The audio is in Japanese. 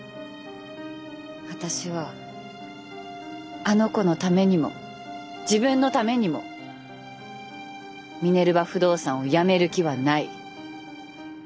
私はあの子のためにも自分のためにもミネルヴァ不動産をやめる気はない！